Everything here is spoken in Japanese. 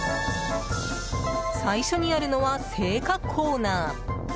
最初にあるのは青果コーナー。